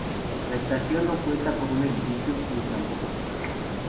La estación no cuenta con un edificio ni tampoco personal.